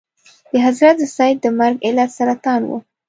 د حضرت سید د مرګ علت سرطان و.